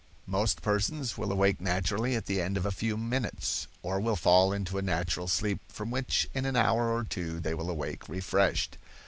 Most persons will awake naturally at the end of a few minutes, or will fall into a natural sleep from which in an hour or two they will awake refreshed.